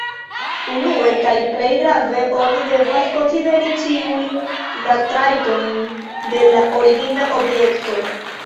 Unue, kaj plej grave, oni devas konsideri ĉiujn la trajtojn de la origina objekto.